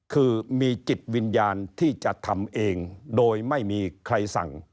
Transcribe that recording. คือมีจิตวิญญาณที่จะทำเองโดยไม่มีใครสั่ง